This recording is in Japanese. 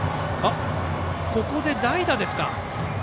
ここで代打ですか。